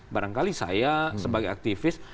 barangkali saya sebagai aktivis